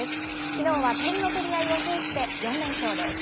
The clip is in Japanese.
きのうは点の取り合いを制して、４連勝です。